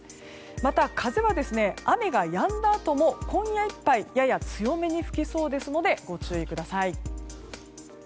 また、風は雨がやんだあとも今夜いっぱいやや強めに吹きそうですのでご注意ください。